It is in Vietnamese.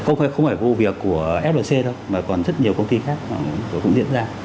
không phải vụ việc của flc đâu mà còn rất nhiều công ty khác cũng diễn ra